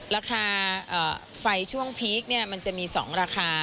ราคาไฟช่วงพีคมันจะมี๒ราคา